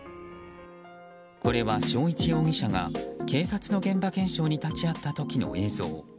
これは、生一容疑者が警察の現場検証に立ち会った時の映像。